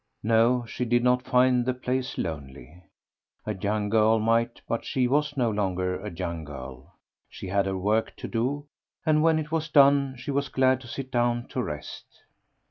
No, she did not find the place lonely. A young girl might, but she was no longer a young girl; she had her work to do, and when it was done she was glad to sit down to rest.